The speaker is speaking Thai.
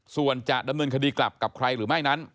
ส่วนจะดำเนินคดีกลับกับใครหรือไม่นั้น